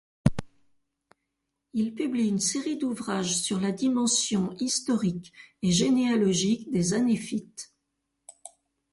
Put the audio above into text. Il publie une série d'ouvrages sur la dimension historique et généalogique des hanéfites.